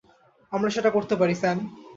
আমরা সেটা করতে পারি, স্যাম।